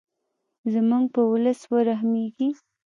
زموږ په ولس ورحمیږې.